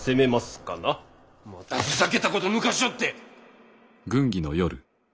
またふざけたこと抜かしおって！